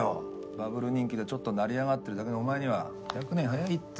バブル人気でちょっと成り上がってるだけのお前には１００年早いって。